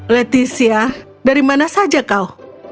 leticia dari mana saja kau